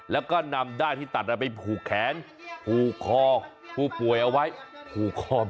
แล้วก็นำด้ายที่ตัดไปผูกแขนผูกคอผู้ป่วยเอาไว้ผูกคอ